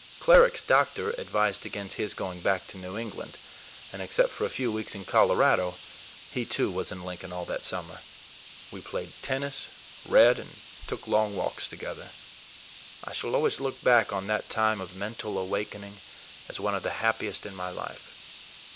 Cleric's doctor advised against his going back to New England, and except for a few weeks in Colorado, he, too, was in Lincoln all that summer. We played tennis, read, and took long walks together. I shall always look back on that time of mental awakening as one of the happiest in my life.